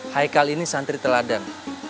haikal ini santri teladan